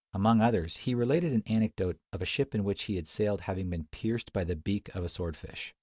Among others, he related an anecdote of a ship in which he had sailed having been pierced by the beak of a sword fish.